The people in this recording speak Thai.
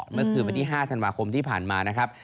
เมื่อคืนวันที่๕ธันวาคมที่ผ่านมานะครับ